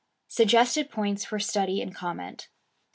Suggested Points for Study and Comment 1.